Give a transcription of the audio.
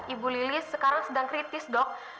ibu lilis sekarang sedang keritik